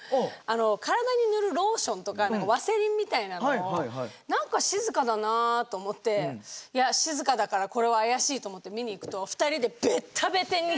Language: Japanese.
体に塗るローションとかワセリンみたいなのを何か静かだなと思っていや静かだからこれは怪しいと思って見に行くと２人でベッタベタにつけ合って。